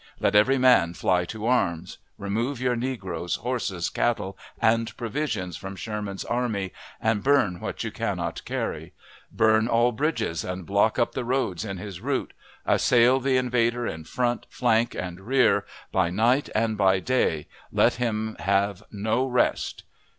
Let every man fly to arms! Remove your negroes, horses, cattle, and provisions from Sherman's army, and burn what you cannot carry. Burn all bridges, and block up the roads in his route. Assail the invader in front, flank, and rear, by night and by day. Let him have no rest.